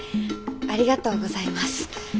ありがとうございます。